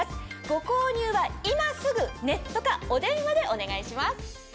ご購入は今すぐネットかお電話でお願いします。